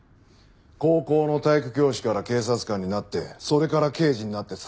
高校の体育教師から警察官になってそれから刑事になって３年目です。